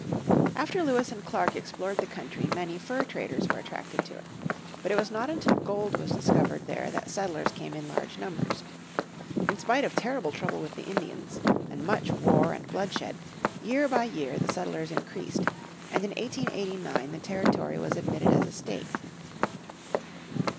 After Lewis and Clark explored the country many fur traders were attracted to it. But it was not until gold was discovered there that settlers came in large numbers. In spite of terrible trouble with the Indians, and much war and bloodshed, year by year the settlers increased, and in 1889 the territory was admitted as a state.